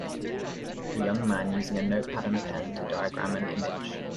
A young man using a notepad and pen to diagram an image.